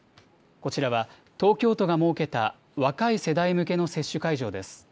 こちらは東京都が設けた若い世代向けの接種会場です。